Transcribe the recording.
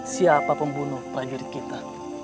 siapa pembunuh prajurit kita